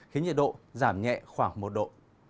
khiến nhiệt độ giảm nhẹ khoảng một độ